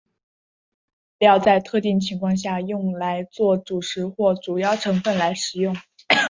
一些调味料在特定情况下用来作主食或主要成分来食用。